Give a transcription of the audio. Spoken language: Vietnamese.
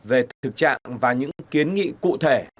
về thực trạng và những kiến nghị cụ thể